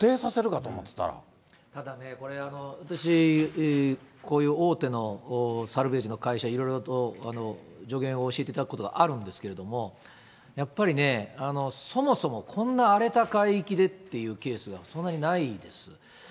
ただね、これ、私、こういう大手のサルベージの会社、いろいろ助言を教えていただくことがあるんですけど、やっぱりね、そもそもこんな荒れた海域でっていうケースが、そんなにないです。